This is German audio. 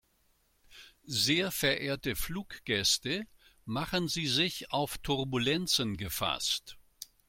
Sehr verehrte Fluggäste, machen Sie sich auf Turbulenzen gefasst.